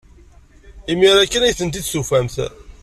Imir-a kan ay tent-id-tufamt.